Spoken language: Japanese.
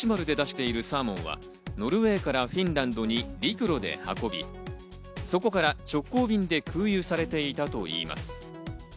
銚子丸で出しているサーモンはノルウェーからフィンランドに陸路で運び、そこから直行便で空輸されていたといいます。